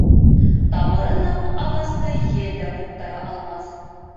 Тамыры ныҡ ағасты ел дә ҡуптара алмаҫ.